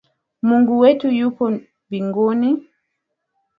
Mungu wetu yuko mbinguni